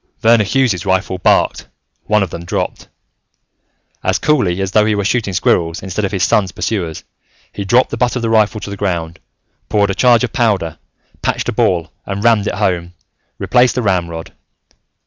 Verner Hughes' rifle barked, one of them dropped. As cooly as though he were shooting squirrels instead of his son's pursuers, he dropped the butt of the rifle to the ground, poured a charge of powder, patched a ball and rammed it home, replaced the ramrod.